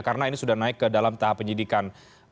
karena ini sudah naik ke dalam tahap penyidikan